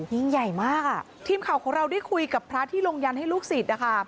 ยิ่งใหญ่มากอ่ะทีมข่าวของเราได้คุยกับพระที่ลงยันให้ลูกศิษย์นะคะ